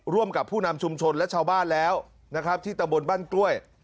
ร่วมกับผู้นำชุมชนและชาวบ้านแล้วนะครับที่ตะบนบ้านกล้วย